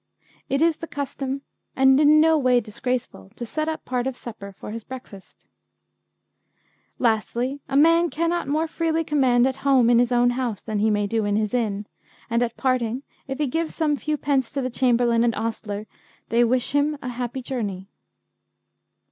'It is the custom and in no way disgraceful to set up part of supper for his breakfast. 'Lastly, a Man cannot more freely command at home in his own house than he may do in his Inn, and at parting if he give some few pence to the Chamberlin and Ostler they wish him a happy journey.'